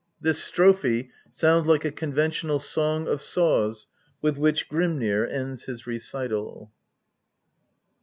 This strophe sounds like a conventional Song of Saws with which Grimnir ends his recital.